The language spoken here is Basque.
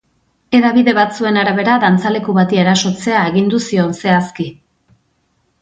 Hedabide batzuen arabera, dantzaleku bati erasotzea agindu zion, zehazki.